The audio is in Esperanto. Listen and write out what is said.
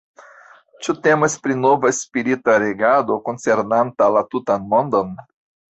Ĉu temas pri nova spirita regado koncernanta la tutan mondon?